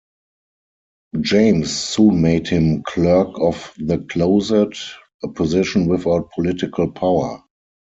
James soon made him clerk of the closet, a position without political power.